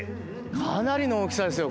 かなりの大きさですよ！